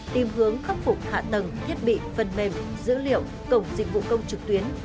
tìm hướng khắc phục hạ tầng thiết bị phần mềm dữ liệu cổng dịch vụ công trực tuyến